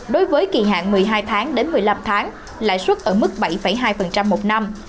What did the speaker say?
đối với kỳ hạn một mươi hai tháng đến một mươi năm tháng lãi suất ở mức bảy hai một năm